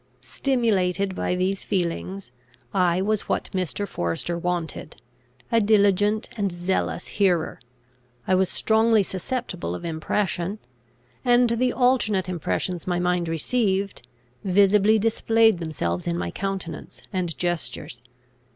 Stimulated by these feelings, I was what Mr. Forester wanted, a diligent and zealous hearer, I was strongly susceptible of impression; and the alternate impressions my mind received, visibly displayed themselves in my countenance and gestures.